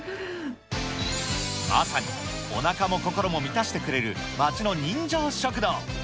まさにおなかも心も満たしてくれる町の人情食堂。